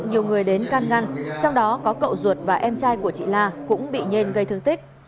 nhiều người đến can ngăn trong đó có cậu ruột và em trai của chị la cũng bị nhên gây thương tích